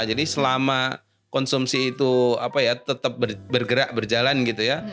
jadi selama konsumsi itu tetap bergerak berjalan gitu ya